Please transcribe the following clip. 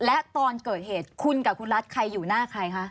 และตอนเกิดเหตุคุณกับคุณรัฐใครอยู่หน้าใครคะ